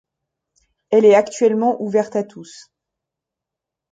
Elle est actuellement ouverte à tous.